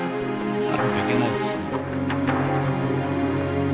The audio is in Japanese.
あっ見かけないですね。